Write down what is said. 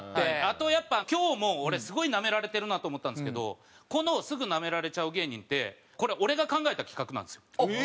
あとやっぱ今日も俺すごいナメられてるなと思ったんですけどこのすぐナメられちゃう芸人ってこれええー！